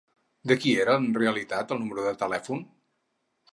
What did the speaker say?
De qui era en realitat el número de telèfon?